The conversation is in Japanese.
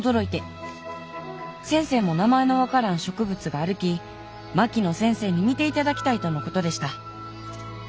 先生も名前の分からん植物があるき槙野先生に見ていただきたいとのことでした」。